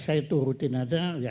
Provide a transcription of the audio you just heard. saya turutin aja